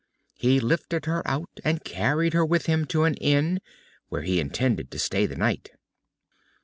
He lifted her out, and carried her with him to an inn where he intended to stay the night.